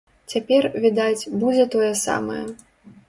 Цяпер, відаць, будзе тое самае.